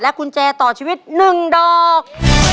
กุญแจต่อชีวิต๑ดอก